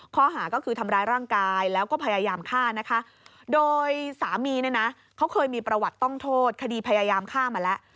ข้อหาก็คือทำร้ายร่างกายแล้วก็พยายามฆ่านะคะโดยสามีเนี่ยนะเขาเคยมีประวัติต้องโทษคดีพยายามฆ่ามาแล้ว